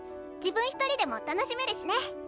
自分一人でも楽しめるしね。